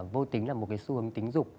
vô tính là một cái xu hướng tính dục